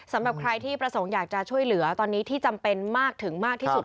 สำหรับใครที่ประสงค์อยากจะช่วยเหลือตอนนี้ที่จำเป็นมากถึงมากที่สุด